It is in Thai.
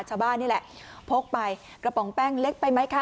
ชาวบ้านนี่แหละพกไปกระป๋องแป้งเล็กไปไหมคะ